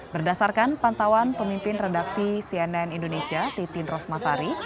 berdasarkan pantauan pemimpin redaksi cnn indonesia titin rosmasari